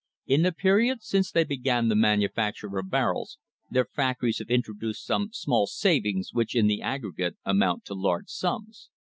In the period since they began the manufacture of barrels their fac tories have introduced some small savings which in the aggre gate amount to large sums.